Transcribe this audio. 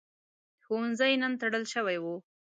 ښوونځی نن تړل شوی و.